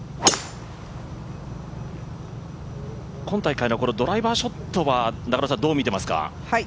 今大会のこのドライバーショットはどう見てますか。